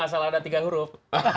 gak salah ada tiga huruf